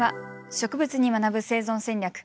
「植物に学ぶ生存戦略」。